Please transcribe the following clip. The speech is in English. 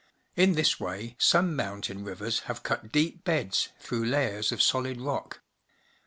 In this way some mountain rivers have cut deep beds through layers of solid rock.